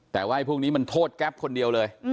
แต่ว่าพวกนี้มันโทษแก๊ปคนเดียวเลย